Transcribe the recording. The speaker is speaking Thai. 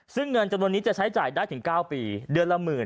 ซึ่งเงินจำนวนนี้จะใช้จ่ายได้ถึง๙ปีเดือนละหมื่น